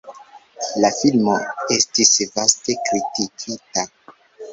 La filmo estis vaste kritikita.